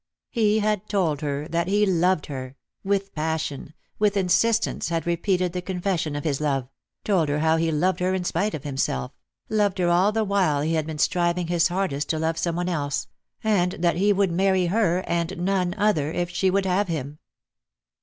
He had told her that he loved her ; with passion, with insistence had repeated the confession of his love; told her how he loved her in spite of himself ; loved her all the while he had been striving his hardest to love some one 186 Lost for Love. else ; and that he would marry her and none other, if she would have him.